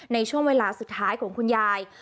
ในช่วงเวลาสุดท้ายของคุณยาย